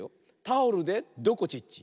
タオルでどこちっち。